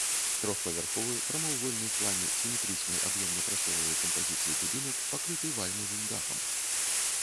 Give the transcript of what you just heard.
Трохпавярховы прамавугольны ў плане сіметрычнай аб'ёмна-прасторавай кампазіцыі будынак пакрыты вальмавым дахам.